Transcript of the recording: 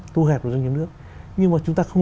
thu hẹp của doanh nghiệp nước nhưng mà chúng ta không